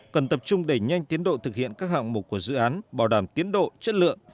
cần tập trung đẩy nhanh tiến độ thực hiện các hạng mục của dự án bảo đảm tiến độ chất lượng